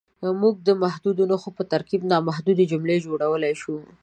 موږ د محدودو نښو په ترکیب نامحدودې جملې جوړولی شو.